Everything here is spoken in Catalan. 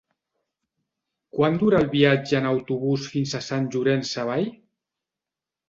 Quant dura el viatge en autobús fins a Sant Llorenç Savall?